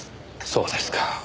そうですか。